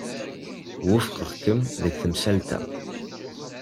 Wufqeɣ-kem deg temsalt-a.